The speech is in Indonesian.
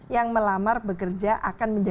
yang melamar bekerja akan menjadi